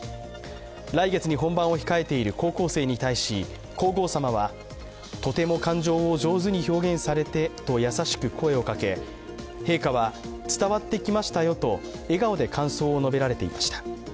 来月に本番を控えている高校生に対し皇后さまはとても感情を上手に表現されてと優しく声をかけ陛下は、伝わってきましたよと笑顔で感想を述べられていました。